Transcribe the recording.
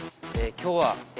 今日はお！